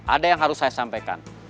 ada yang harus saya sampaikan